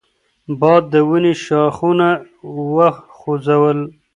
باد د ونې ښاخونه وخوځول.